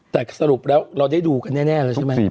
แต่สรุปแล้วเราได้ดูกันแน่แล้วใช่ไหม